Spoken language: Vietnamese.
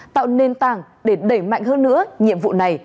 tạo nền tảng để đẩy mạnh hơn nữa nhiệm vụ này